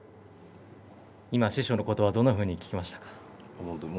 師匠のことば、どんなふうに聞きましたか？